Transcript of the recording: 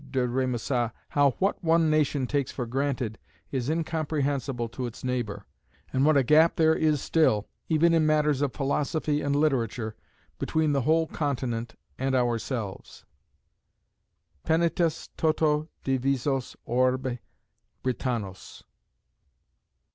de Rémusat, how what one nation takes for granted is incomprehensible to its neighbour; and what a gap there is still, even in matters of philosophy and literature, between the whole Continent and ourselves "Penitus toto divisos orbe Britannos."